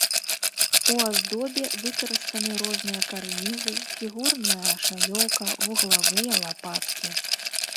У аздобе выкарыстаны разныя карнізы, фігурная шалёўка, вуглавыя лапаткі.